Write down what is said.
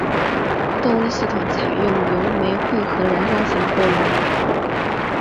动力系统采用油煤混合燃烧型锅炉。